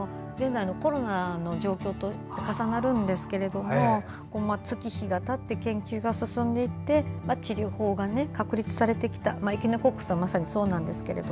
コロナの現状と重なるんですが月日がたって研究が進んでいって治療法が確立されてきたエキノコックスはまさにそうなんですけど。